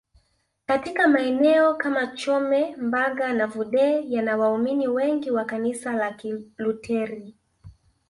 Katika maeneo kama Chome Mbaga na Vudee yana waumini wengi wa kanisala la Kiluteri